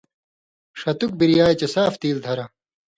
ݜتُک بِریائ چے صرف تیل دھرہۡ ،